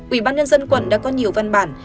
ủy ban nhân dân quận đã có nhiều văn bản